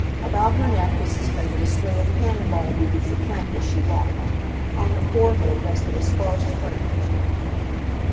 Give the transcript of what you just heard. About her neck was suspended a string of cannon ball beads that clanked as she walked. On her forehead rested a sparse fringe.